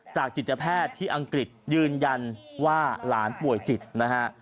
จิตแพทย์ที่อังกฤษยืนยันว่าหลานป่วยจิตนะฮะ